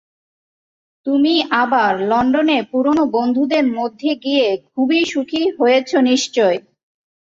তুমি আবার লণ্ডনে পুরানো বন্ধুদের মধ্যে গিয়ে খুবই সুখী হয়েছ নিশ্চয়।